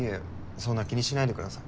そんな気にしないでください。